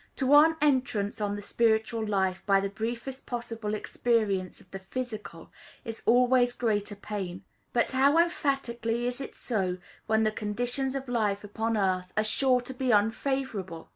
To earn entrance on the spiritual life by the briefest possible experience of the physical, is always "greater gain;" but how emphatically is it so when the conditions of life upon earth are sure to be unfavorable!